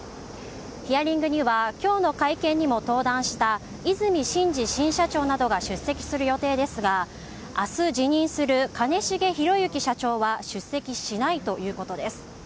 ヒアリングには今日の会見にも登壇した和泉伸二新社長などが出席する予定ですが明日辞任する兼重宏行社長は出席しないということです。